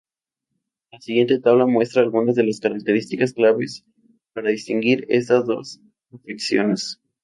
La siguiente tabla muestra algunas de las características claves para distinguir estas dos afecciones.